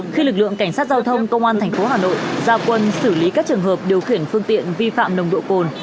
khi lực lượng cảnh sát giao thông công an thành phố hà nội giao quân xử lý các trường hợp điều khiển phương tiện vi phạm nồng độ cồn